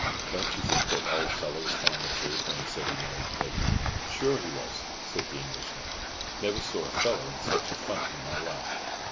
"Don't you think that old fellow was telling the truth when he said he married Peggy?" "Sure he was," said the Englishman. "Never saw a fellow in such a funk in my life."